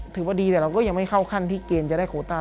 ถือว่าดีแต่เราก็ยังไม่เข้าขั้นที่เกณฑ์จะได้โคต้า